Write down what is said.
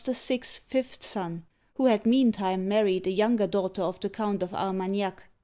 *s fifth son, who had meantime married a younger daughter of the Count of Armagnac.